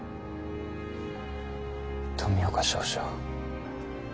富岡少将。